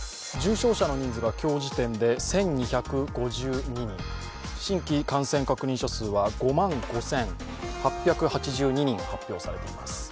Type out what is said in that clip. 重症者の人数が今日時点で１２５２人、新規感染確認者数は５万５８８２人発表されています。